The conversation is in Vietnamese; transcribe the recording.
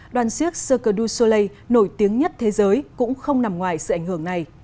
đoàn siếc cirque du soleil nổi tiếng nhất thế giới cũng không nằm ngoài sự ảnh hưởng này